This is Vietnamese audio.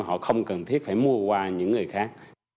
họ không cần thiết phải mua qua những người khác